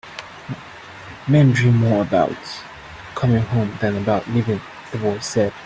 "Men dream more about coming home than about leaving," the boy said.